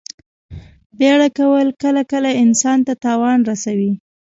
بیړه کول کله کله انسان ته تاوان رسوي.